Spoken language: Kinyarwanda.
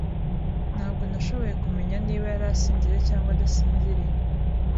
Ntabwo nashoboye kumenya niba yari asinziriye cyangwa adasinziriye.